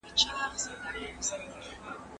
کارونه لري، او په دې برخه کي هيڅ شک یا شبهه نسته.